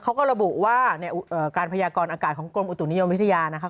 เขาก็ระบุว่าในการพยากรอากาศของกรมอุตุนิยมวิทยานะคะ